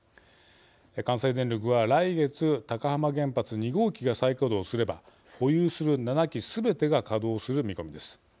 関西電力は、来月高浜原発２号機が再稼働すれば保有する７基すべてが稼働する見込みです。